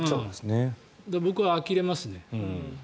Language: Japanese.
僕はあきれますね。